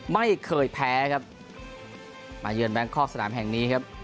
ไม่เคยแพ้ครับมาเยือนแบงคอกสนามแห่งนี้ครับ